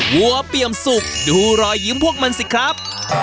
วัวเปี่ยมสุกดูรอยยิ้มพวกมันสิครับ